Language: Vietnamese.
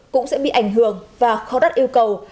cũng sẽ bị ảnh hưởng và khó đắt yêu cầu